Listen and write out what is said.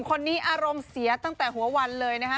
คนนี้อารมณ์เสียตั้งแต่หัววันเลยนะฮะ